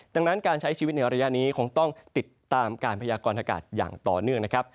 ดังนั้นการใช้ชีวิตในระยะนี้คงต้องติดตามการพยากรณากาศอย่างต่อเนื่องนะครับ